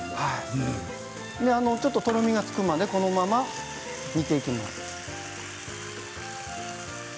ちょっととろみがつくまでこのまま煮ていきます。